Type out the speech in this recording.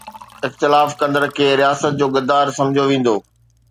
اختلاف ڪندڙ کي رياست جو غدار سمجهيو ويندو